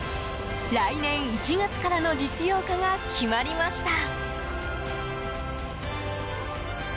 来年１月からの実用化が決まりました。